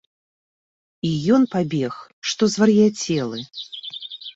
І ён пабег, што звар'яцелы.